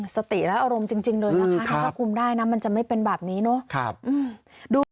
สติและอารมณ์จริงเลยนะคะถ้าคุมได้นะมันจะไม่เป็นแบบนี้เนอะ